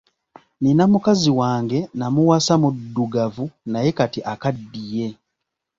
Nina mukazi wange namuwasa muddugavu naye kati akaddiye